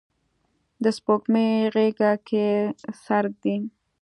د سپوږمۍ غیږه کې سر ږدي